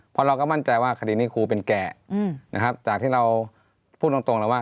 เพราะเราก็มั่นใจว่าคดีนี้ครูเป็นแก่นะครับจากที่เราพูดตรงเลยว่า